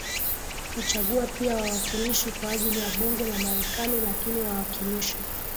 huchagua pia wawakilishi kwa ajili ya bunge la Marekani lakini wawakilishi